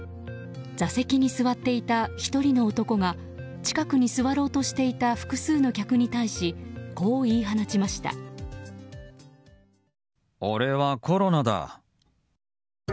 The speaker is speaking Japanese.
座席に座っていた１人の男が近くに座ろうとしていた複数の客に対し俺はコロナだ。